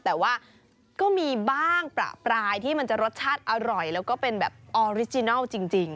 แต่ว่าก็มีบ้างประปรายที่มันจะรสชาติอร่อยแล้วก็เป็นแบบออริจินัลจริง